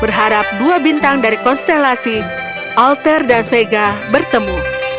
berharap dua bintang dari konstelasi alter dan vega bertemu